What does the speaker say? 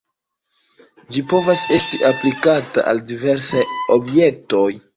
Ĝi povas esti aplikata al diversaj objektoj.